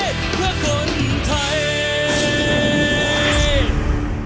สวัสดีครับ